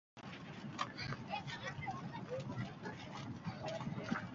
— Turmush o‘lgur shunaqa ekan.